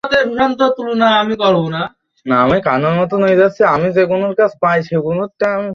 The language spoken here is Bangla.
তবে বিশ্বব্যাংক মনে করে, বাংলাদেশের সামনে সুযোগ রয়েছে নারী কর্মশক্তিকে আরও কাজে লাগানোর।